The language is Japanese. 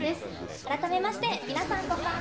改めまして皆さんこんばんは。